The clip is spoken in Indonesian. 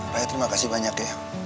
raya terima kasih banyak ya